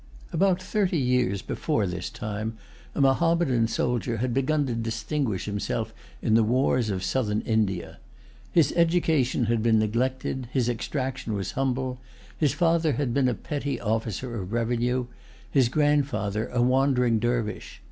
About thirty years before this time, a Mahommedan soldier had begun to distinguish himself in the wars of Southern India. His education had been neglected; his extraction was humble. His father had been a petty officer of revenue; his grandfather a wandering dervise.